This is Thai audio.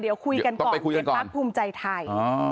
เดี๋ยวคุยกันก่อนเดี๋ยวภาพภูมิใจไทย